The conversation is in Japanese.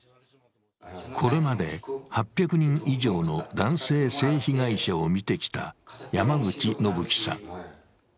これまで８００人以上の男性性被害者を診てきた山口修喜さん。